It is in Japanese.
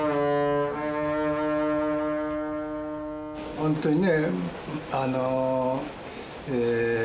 本当にね